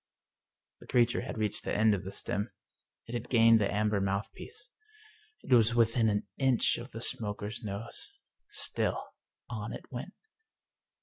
The creature had reached the end of the stem. It had gained the amber mouthpiece. It was within an inch of the smoker's nose. Still on it went.